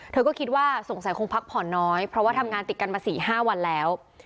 เธอก็คิดว่าสงสัยคงพักผ่อนน้อยเพราะว่าทำงานติดกันมา๔๕วันแล้ว